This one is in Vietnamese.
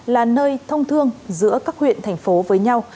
là nơi thông thương giữa các huyện thành phố với nhau